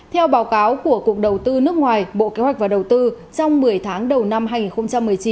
theo báo cáo của cục đầu tư nước ngoài bộ kế hoạch và đầu tư trong một mươi tháng đầu năm hai nghìn một mươi chín